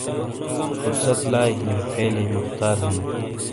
فرصت لائی ہِیں، فعلئی مختار ہنو۔